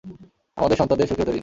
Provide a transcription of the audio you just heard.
আমাদের সন্তানদের সুখী হতে দিন।